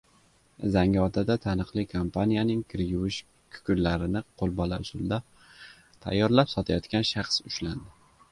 Zangiotada taniqli kompaniyaning kir yuvish kukunlarini qo‘lbola usulda tayyorlab sotayotgan shaxs ushlandi